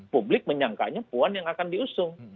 publik menyangkanya puan yang akan diusung